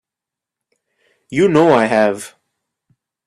You know I have.